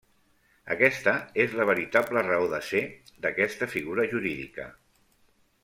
Aquesta és la veritable raó de ser d'aquesta figura jurídica.